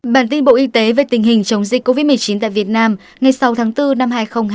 bản tin bộ y tế về tình hình chống dịch covid một mươi chín tại việt nam ngày sáu tháng bốn năm hai nghìn hai mươi hai